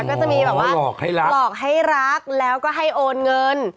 ก็จะมีแบบว่าหลอกให้รักแล้วก็ให้โอนเงิน